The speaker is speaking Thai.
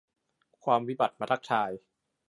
ความวิบัติมาทักทาย